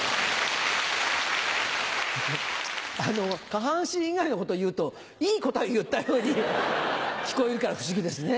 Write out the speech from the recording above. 下半身以外のことを言うといい答えを言ったように聞こえるから不思議ですね。